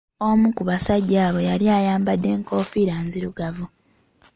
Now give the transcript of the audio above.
Omu ku basajja abo yali ayambadde enkofiira nzirugavu.